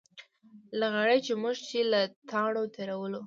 لغړی چې موږ یې له تاڼو تېرولو.